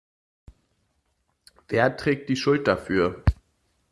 Wer trägt die Schuld dafür?